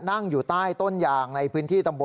อะไรนั้นเนี่ย